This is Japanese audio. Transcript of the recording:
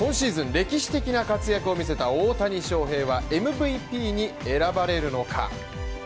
歴史的な活躍を見せた大谷翔平は、ＭＶＰに選ばれるのか。